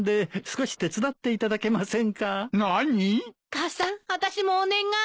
母さんあたしもお願い！